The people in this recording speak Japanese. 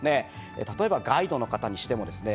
例えばガイドの方にしてもですね